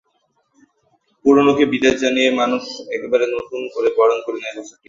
পুরোনোকে বিদায় জানিয়ে মানুষ একেবারে নতুন করে বরণ করে নেয় বছরটিকে।